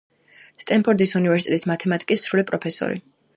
სტენფორდის უნივერსიტეტის მათემატიკის სრული პროფესორი.